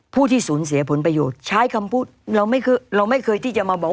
ผู้ที่สูญเสียผลประโยชน์ใช้คำพูดเราไม่เคยเราไม่เคยที่จะมาบอก